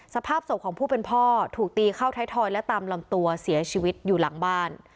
สภาพศพของผู้เป็นพ่อถูกตีเข้าไทยทอยและตามลำตัวเสียชีวิตอยู่หลังบ้าน